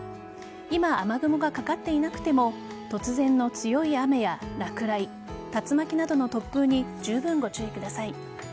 今、雨雲がかかっていなくても突然の強い雨や落雷竜巻などの突風にじゅうぶんご注意ください。